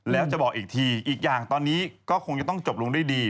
แล้วจะบอกอีกทีอีกอย่างตอนนี้ก็คงจะต้องจบลงด้วยดี